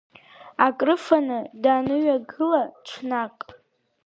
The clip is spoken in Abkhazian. Акрыфаны даныҩагыла ҽнак…